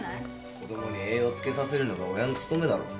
子供に栄養をつけさせるのが親の務めだろ。